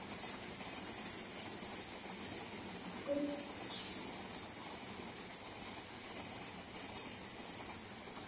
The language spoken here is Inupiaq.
Uiḷḷavich?